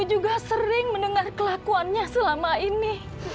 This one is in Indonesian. dia sering mendengar kelakuannya selama ini